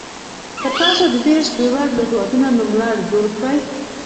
که تاسو د دېرش بېوزلو هېوادونو نوملړ جوړ کړئ.